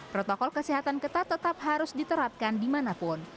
protokol kesehatan ketat tetap harus diterapkan dimanapun